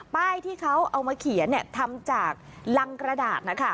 ป้ายที่เขาเอามาเขียนทำจากรังกระดาษนะคะ